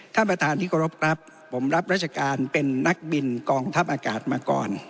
ท่านประธานที่เคารพครับผมรับราชการเป็นนักบินกองทัพอากาศมาก่อน